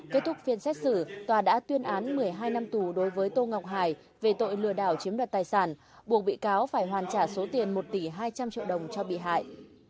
kết thúc phiên xét xử tòa đã tuyên án một mươi hai năm tù đối với tô ngọc hải về tội lừa đảo chiếm đoạt tài sản buộc bị cáo phải hoàn trả số tiền một tỷ hai trăm linh triệu đồng cho bị hại